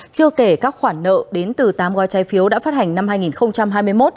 chưa kể các khoản nợ đến từ tám gói trái phiếu đã phát hành năm hai nghìn hai mươi một